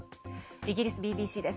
イギリスＢＢＣです。